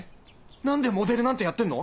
何でモデルなんてやってんの？